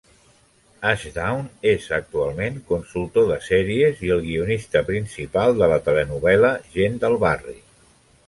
Ashdown és actualment consultor de sèries i el guionista principal de la telenovel·la Gent del barri.